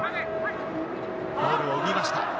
ゴールを生みました。